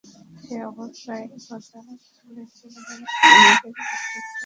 সে অবস্থায় একদা রাসূলের জীবনে আনন্দের বিদ্যুৎ চমকে উঠল।